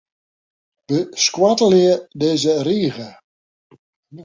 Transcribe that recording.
Beskoattelje dizze rige.